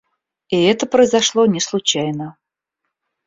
И это произошло не случайно.